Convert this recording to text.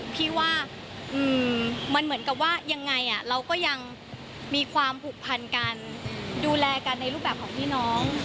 พี่ว่ามันเหมือนกับว่ายังไงเราก็ยังมีความผูกพันกันดูแลกันในรูปแบบของพี่น้อง